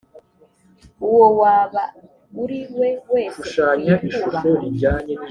uwo waba uri we wese ukwiye kubaha.